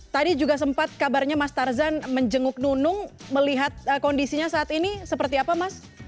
tadi juga sempat kabarnya mas tarzan menjenguk nunung melihat kondisinya saat ini seperti apa mas